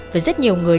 và rất nhiều người